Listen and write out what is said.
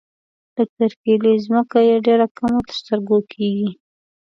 د کرکيلې ځمکه یې ډېره کمه تر سترګو کيږي.